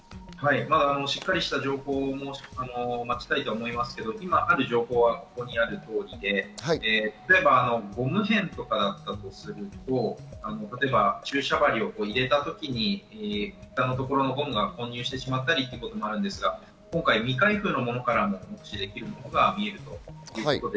しっかりした情報を待ちたいと思いますけど、今ある情報はここにある通りで、例えばゴム片とかだったとすると例えば注射針を入れたときに蓋のところのゴムが混入してしまったりということもあるんですが、今回、未開封のものからということがわかっているので、